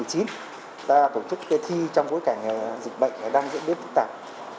chúng ta tổ chức thi trong bối cảnh dịch bệnh đang diễn biến phức tạp